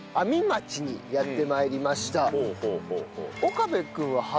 岡部君は初？